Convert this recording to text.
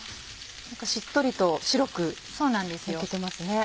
しっとりと白く焼けてますね。